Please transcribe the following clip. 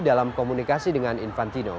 dikasi dengan infantino